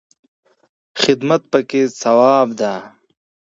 خدمت پکې ثواب دی